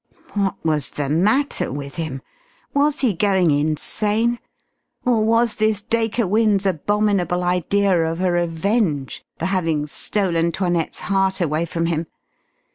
What was the matter with him? Was he going insane? Or was this Dacre Wynne's abominable idea of a revenge for having stolen 'Toinette's heart away from him?